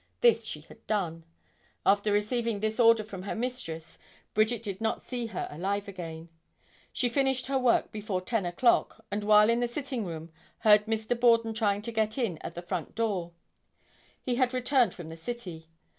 This she had done. After receiving this order from her mistress, Bridget did not see her alive again. She finished her work before 10 o'clock, and while in the sitting room heard Mr. Borden trying to get in at the front door. He had returned from the city.